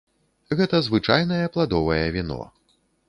Гэта звычайнае пладовае віно.